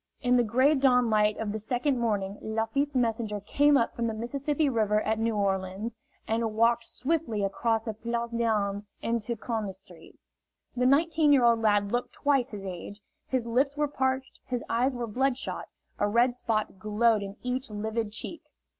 In the gray dawnlight of the second morning Lafitte's messenger came up from the Mississippi River at New Orleans, and walked swiftly across the Place d'Armes into Conde Street. The nineteen year old lad looked twice his age; his lips were parched, his eyes were bloodshot, a red spot glowed in each livid cheek.